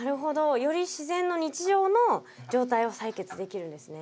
より自然の日常の状態を採血できるんですね。